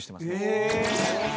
え！